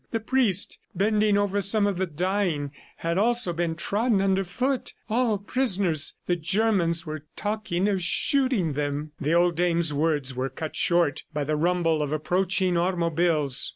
The priest, bending over some of the dying, had also been trodden under foot. ... All prisoners! The Germans were talking of shooting them. The old dame's words were cut short by the rumble of approaching automobiles.